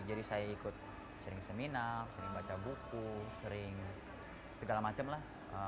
jadi saya ikut sering seminar sering baca buku sering segala macam lah